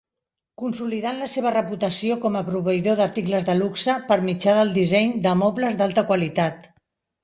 Consolidant la seva reputació com a proveïdor d'articles de luxe per mitjà del disseny de mobles d'alta qualitat